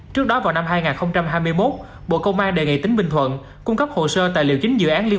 trước đó vào năm hai nghìn hai mươi một bộ công an đề nghị tỉnh bình thuận cung cấp hồ sơ tài liệu chính dự án liên